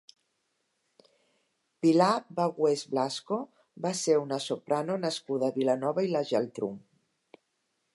Pilar Bagüés Blasco va ser una soprano nascuda a Vilanova i la Geltrú.